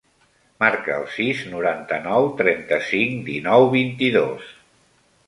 Marca el sis, noranta-nou, trenta-cinc, dinou, vint-i-dos.